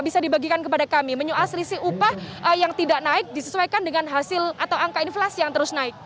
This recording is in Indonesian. bisa dibagikan kepada kami menyoal selisih upah yang tidak naik disesuaikan dengan hasil atau angka inflasi yang terus naik